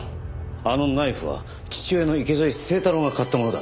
あのナイフは父親の池添清太郎が買ったものだ。